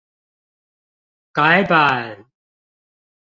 改版